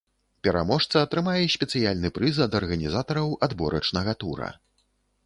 Пераможца атрымае спецыяльны прыз ад арганізатараў адборачнага тура.